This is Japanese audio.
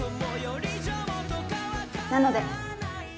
なので